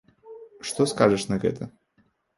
Што скажаш на гэта?